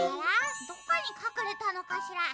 どこにかくれたのかしら。